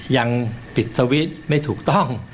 ยังปิดสวิตช์ไม่ถูกต้อง